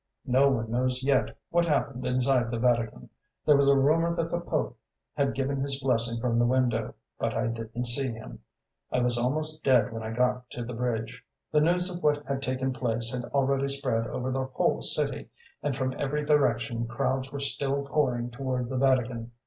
No one knows yet what happened inside the Vatican; there was a rumor that the Pope had given his blessing from the window but I didn't see him. I was almost dead when I got to the bridge. The news of what had taken place had already spread over the whole city, and from every direction crowds were still pouring towards the Vatican.